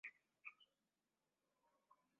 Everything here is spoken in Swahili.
Mwalimu wangu ni kioo cha jamii.